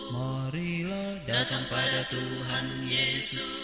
marilah datang pada tuhan yesus